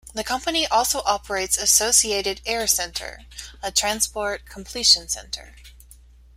The company also operates Associated Air Center, a transport completion center.